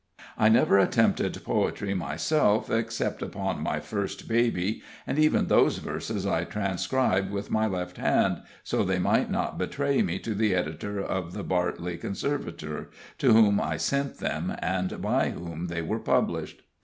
I never attempted poetry myself, except upon my first baby, and even those verses I transcribed with my left hand, so they might not betray me to the editor of the Bartley Conservator, to whom I sent them, and by whom they were published.